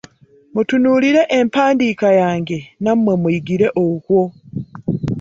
Mutunuulire empandiika yange nammwe muyigire okwo.